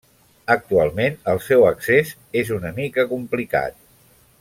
Actualment el seu accés és una mica complicat.